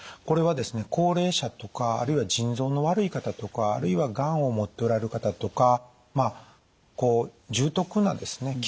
これはですね高齢者とかあるいは腎臓の悪い方とかあるいはがんを持っておられる方とかまあこう重篤なですね